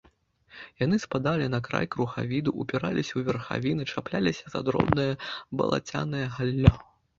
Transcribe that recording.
Яны спадалі на край кругавіду, упіраліся ў верхавіны, чапляліся за дробнае балацянае галлё.